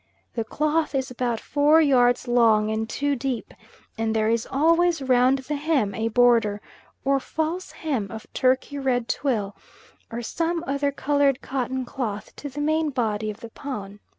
The cloth is about four yards long and two deep, and there is always round the hem a border, or false hem, of turkey red twill, or some other coloured cotton cloth to the main body of the paun.